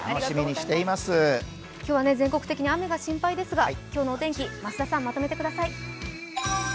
今日は全国的に雨が心配ですが今日のお天気、増田さん、まとめてください。